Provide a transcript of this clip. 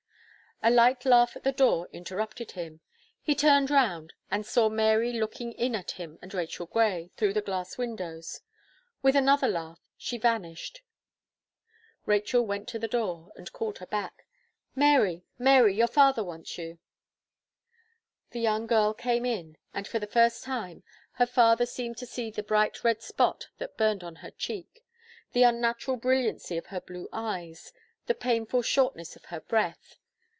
A light laugh at the door interrupted him. He turned round, and saw Mary looking in at him and Rachel Gray, through the glass windows; with another laugh, she vanished. Rachel went to the door, and called her back. "Mary, Mary, your father wants you." The young girl came in; and, for the first time, her father seemed to see the bright red spot that burned on her cheek, the unnatural brilliancy of her blue eyes, the painful shortness of her breath.